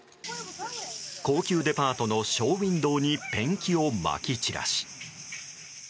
高級デパートのショーウィンドーにペンキをまき散らし。